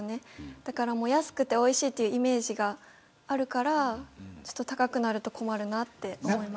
だから安くておいしいというイメージがあるから高くなると困るなって思います。